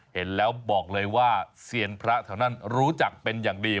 เห็นแล้วบอกเลยว่าเซียนพระแถวนั้นรู้จักเป็นอย่างดี